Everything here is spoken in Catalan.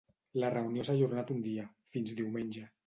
La reunió s’ha ajornat un dia, fins diumenge.